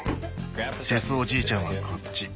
セスおじいちゃんはこっち。